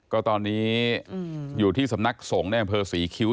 ก็ตอนนี้อยู่ที่สำนักสงฆ์ในอำเภอศรีคิ้ว